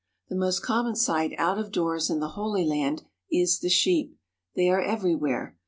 The most common sight out of doors in the Holy Land is the sheep. They are everywhere.